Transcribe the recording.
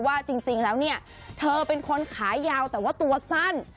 ว่าจริงแล้วเนี่ยเธอเป็นคนขายาวแต่ว่าตัวสั้น